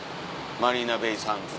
マリーナベイ・サンズ。